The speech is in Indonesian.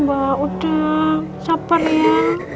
mbak udah saper ya